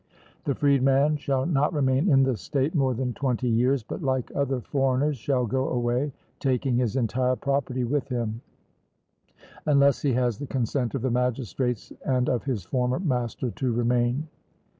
The freedman shall not remain in the state more than twenty years, but like other foreigners shall go away, taking his entire property with him, unless he has the consent of the magistrates and of his former master to remain.